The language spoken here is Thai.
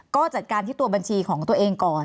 ก็จัดการที่ตัวบัญชีของตัวเองก่อน